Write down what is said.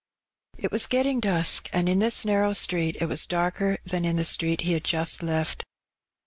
It was getting dusk^ and in this narrow street it was darker than in the street he had just left.